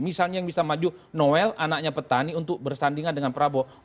misalnya yang bisa maju noel anaknya petani untuk bersandingan dengan prabowo